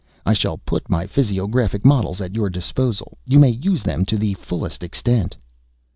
I shall put my physiographic models at your disposal; you may use them to the fullest extent!"